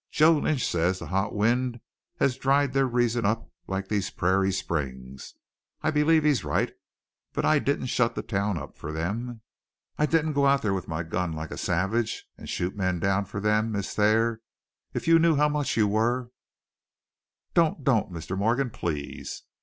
Joe Lynch says the hot wind has dried their reason up like these prairie springs. I believe he's right. But I didn't shut the town up for them, I didn't go out there with my gun like a savage and shoot men down for them, Miss Thayer. If you knew how much you were " "Don't don't Mr. Morgan, please!"